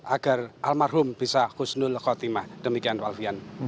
agar almarhum bisa husnul khotimah demikian walfian